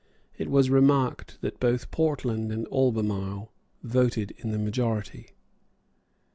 It was remarked that both Portland and Albemarle voted in the majority.